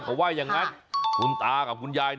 เขาว่าอย่างนั้นคุณตากับคุณยาย